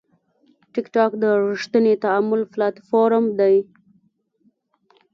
ټکټاک د ریښتیني تعامل پلاتفورم دی.